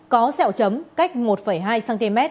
có sẹo chấm cách một hai cm